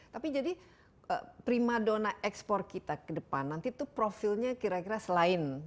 tapi jadi prima dona ekspor kita ke depan nanti itu profilnya kira kira selain